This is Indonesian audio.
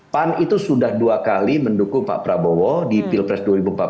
pan itu sudah dua kali mendukung pak prabowo di pilpres dua ribu empat belas dua ribu sembilan belas